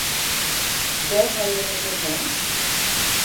Wêr ha jim it oer hân?